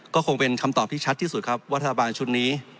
ก็คงเป็นคำตอบที่ชัดที่สุดครับว่ารัฐบาลชุดนี้